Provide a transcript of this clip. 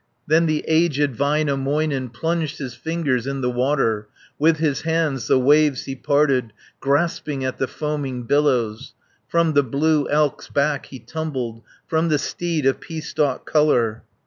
Then the aged Väinämöinen, Plunged his fingers in the water, With his hands the waves he parted, Grasping at the foaming billows, From the blue elk's back he tumbled From the steed of pea stalk colour.